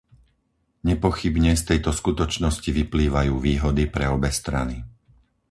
Nepochybne z tejto skutočnosti vyplývajú výhody pre obe strany.